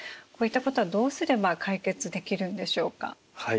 こういったことはどうすれば解決できるんでしょうか？